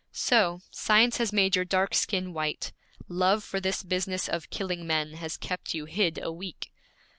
'So! Science has made your dark skin white; love for this business of killing men has kept you hid a week.'